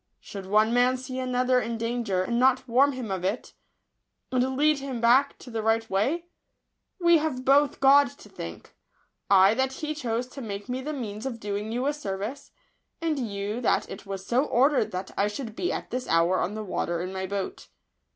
Should one man see another in danger, and not warn him of it, and lead him back to the right way ? We have both God to thank : I that He chose to make me the means of doing you a service, and you that it was so or dered that I should be at this hour on the water in my boat."